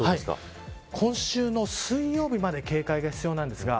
今週の水曜日まで警戒が必要なんですが